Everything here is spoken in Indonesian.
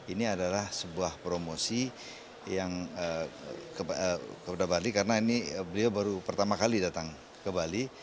ini adalah sebuah promosi yang kepada bali karena ini beliau baru pertama kali datang ke bali